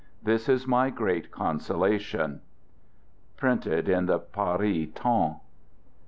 This is my great consolation. — Printed in the Paris Temps.